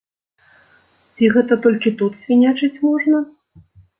Ці гэта толькі тут свінячыць можна?